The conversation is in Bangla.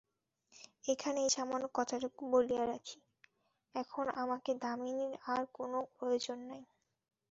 এখানে এই সামান্য কথাটুকু বলিয়া রাখি, এখন আমাকে দামিনীর আর কোনো প্রয়োজন নাই।